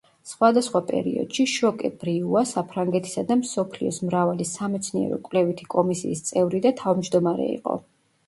სხვადასხვა პერიოდში შოკე-ბრიუა საფრანგეთისა და მსოფლიოს მრავალი სამეცნიერო-კვლევითი კომისიის წევრი და თავმჯდომარე იყო.